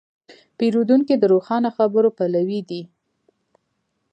پیرودونکی د روښانه خبرو پلوی دی.